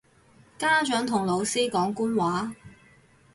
家長同老師講官話